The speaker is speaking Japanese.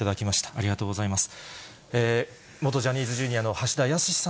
ありがとうございます。